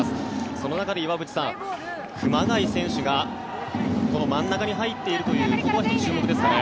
その中で岩渕さん、熊谷選手がこの真ん中に入っているというここは１つ注目ですかね。